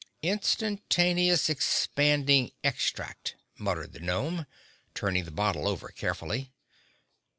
"Instantaneous Expanding Extract," muttered the gnome, turning the bottle over carefully.